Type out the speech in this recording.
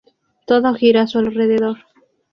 Todo gira a su alrededor.